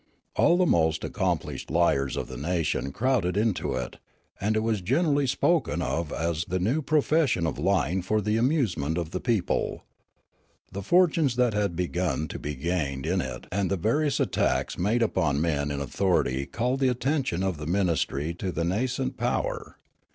All the most accomplished liars of the nation crowded into it, and it was generally spoken of as the new pro fession of lying for the amusement of the people. The fortunes that had begun to be gained in it and the various attacks made upon men in authority called the attention of the ministry to the nascent power.